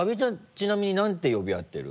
ちなみに何て呼び合ってる？